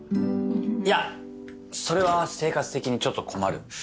いやそれは生活的にちょっと困る。